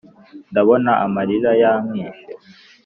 ndabona amarira yamwishe